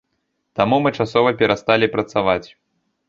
Таму мы часова перасталі працаваць.